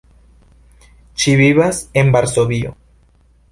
Ŝi vivas en Varsovio.